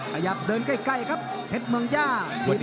ขยับเดินใกล้ครับเพชรเมืองย่า